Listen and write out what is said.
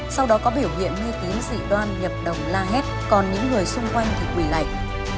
sau đó có biểu hiện mê tín dị đoan nhập đồng la hét còn những người xung quanh thì quỷ lạnh